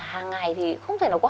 hàng ngày thì không thể nói là vất vả